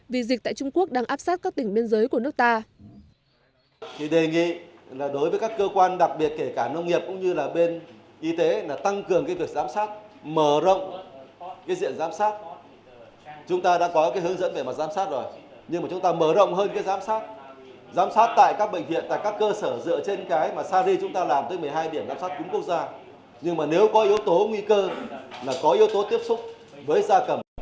vì dịch tại trung quốc đang áp sát các tỉnh biên giới của nước ta